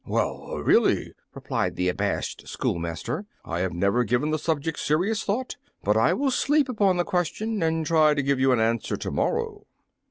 "Well really," replied the abashed schoolmaster, "I have never given the subject serious thought. But I will sleep upon the question, and try to give you an answer to morrow."